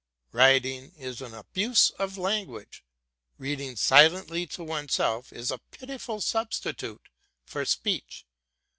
Writing is an abuse of language: read ing silently to one's self is a sorry substitute for speech.